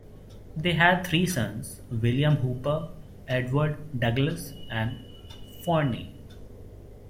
They had three sons: William Hooper, Edward Douglas, and Forney.